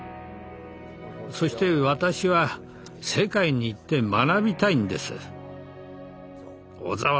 そして私は世界に行って学びたいんです。